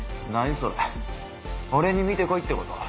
それ俺に見て来いってこと？